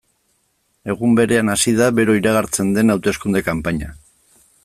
Egun berean hasi da bero iragartzen den hauteskunde kanpaina.